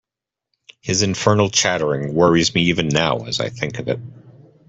His infernal chattering worries me even now as I think of it.